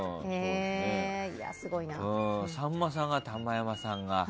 さんまさんを玉山さんが。